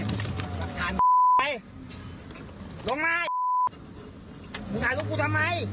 หลักฐานไปลงไลน์มึงถ่ายรูปกูทำไม